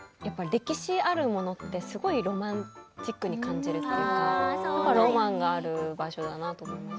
歴史あるものってすごいロマンチックに感じるというかロマンがある場所だなって。